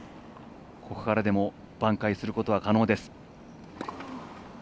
ここからでも挽回することは可能です。